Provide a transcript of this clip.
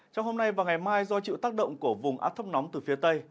trong hôm nay và ngày mai do chịu tác động của vùng áp thấp nóng từ phía tây